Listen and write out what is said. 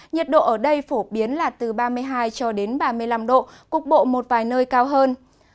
nhiệt độ ở đây phổ biến là từ ba mươi hai cho đến ba mươi năm độ cục bộ một vài nơi cao hơn